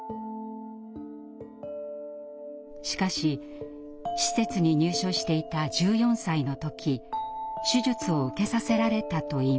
しかし施設に入所していた１４歳の時手術を受けさせられたといいます。